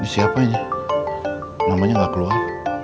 siapanya namanya nggak keluar